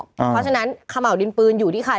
เพราะฉะนั้นขม่าวดินปืนอยู่ที่ใคร